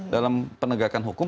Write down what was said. dalam penegakan hukum